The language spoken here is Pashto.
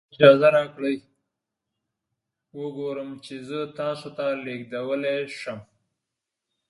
اجازه راکړئ وګورم چې زه تاسو ته لیږدولی شم.